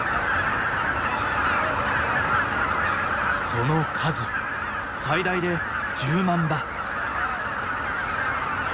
その数最大で１０万羽。